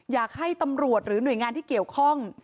อยากให้ตำรวจหรือหน่วยงานที่เกี่ยวข้อง